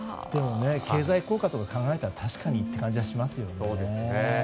でも経済効果とか考えたら確かにって感じがしますよね。